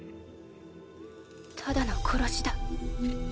ただの殺しだ。